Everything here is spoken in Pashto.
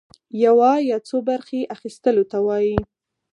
يوه يا څو برخي اخيستلو ته وايي.